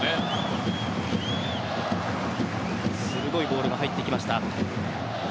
鋭いボールが入ってきました。